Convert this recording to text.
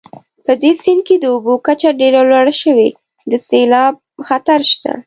په دې سیند کې د اوبو کچه ډېره لوړه شوې د سیلاب خطر شته